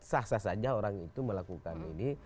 sah sah saja orang itu melakukan ini